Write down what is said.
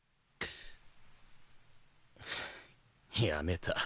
やめた。